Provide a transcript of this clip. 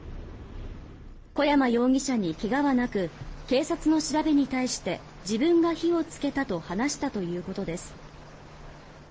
小山容疑者に怪我はなく警察の調べに対して自分が火をつけたと話したということです。